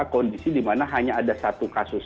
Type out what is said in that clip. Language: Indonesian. kondisi di mana hanya ada satu kasus